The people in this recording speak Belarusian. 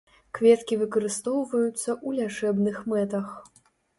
Кветкі выкарыстоўваюцца ў лячэбных мэтах.